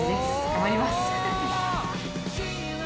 頑張ります。